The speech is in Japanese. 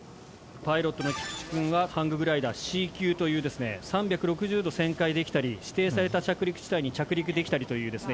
パイロットの菊池くんはハンググライダーＣ級というですね３６０度旋回できたり指定された着陸地帯に着陸できたりというですね